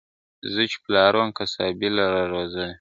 زه چی پلار وم قصابی لره روزلی !.